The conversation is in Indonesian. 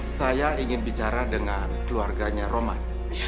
saya ingin bicara dengan keluarganya roman